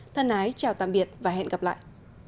thân ái chào tạm biệt và hẹn gặp lại